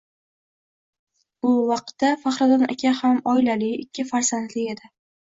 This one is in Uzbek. Bu vaqtda Faxriddin aka ham oilali, ikki farzandli edi